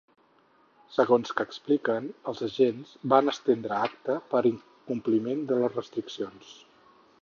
Segons que expliquen, els agents van estendre acta per incompliment de les restriccions.